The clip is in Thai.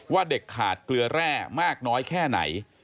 ว่าเด็กขาดเกลือแร่มากน้อยแค่ไหน